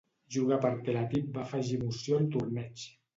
Jugar per teletip va afegir emoció al torneig.